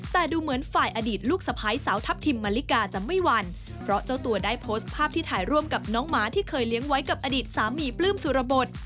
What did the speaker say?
แต่ดูเหมือนฝ่ายอดีตลูกสะพ้ายสาวทัพทิมมะลิกาจะไม่หวั่นเพราะเจ้าตัวได้โพสต์ภาพที่ถ่ายร่วมกับน้องหมาที่เคยเลี้ยงไว้กับอดีตสามีปลื้มสุรบท